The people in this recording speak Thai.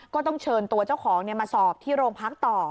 ก็ต้องเชิญตัวเจ้าของมาสอบที่โรงพักต่อ